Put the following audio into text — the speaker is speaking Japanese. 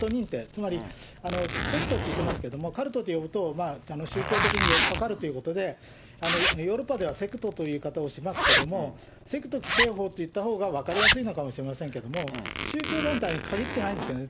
つまりセクトって言ってますけど、カルトと呼ぶと、宗教的によっかかるということで、ヨーロッパではセクトっていう言い方をしますけども、セクト規制法と言ったほうが分かりやすいのかもしれませんけれども、宗教団体に限ってないんですよね。